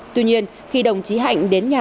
tuy nhiên khi đồng chí hạnh đến nhà